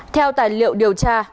theo tài liệu điều tra